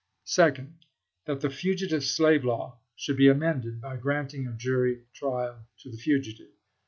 Second. That the fugitive slave law should be amended by granting a jury trial to the fugitive.